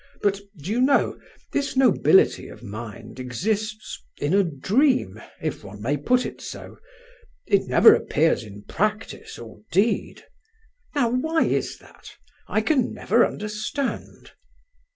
"But, do you know, this nobility of mind exists in a dream, if one may put it so? It never appears in practice or deed. Now, why is that? I can never understand."